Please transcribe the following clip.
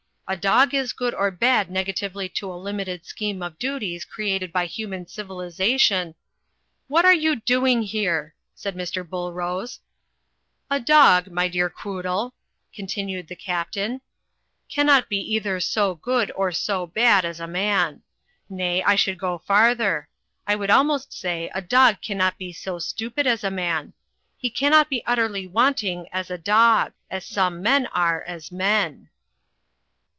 A dog is good or bad negatively to a limited scheme of duties created by human civilization " ''What are you doing here?" asked Mr. Bullrose. '*A dog, my dear Quoodle," continued the Captain, "cannot be either so good or bad as a man. Nay, I should go farther. I would almost say a dog cannot be so stupid as a man. He cannot be utterly wanting as a dog — ^as some men are as men."